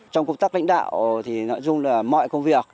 trong cuộc tác lãnh đạo thì nội dung là mọi công việc